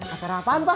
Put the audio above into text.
acara apaan pak